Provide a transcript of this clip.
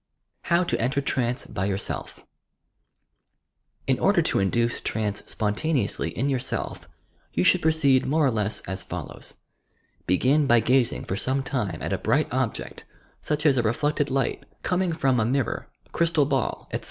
HOW TO ENTER TRANCE BY YOORSELP In order to induce trance spontaneously in yourself you shotild proceed, more or less as follows: — Begin by gazing for some time at a bright object, such as a reflected light, coming from a mirror, crystal ball, etc.